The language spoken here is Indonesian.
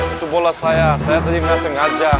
itu bola saya saya tadi nggak sengaja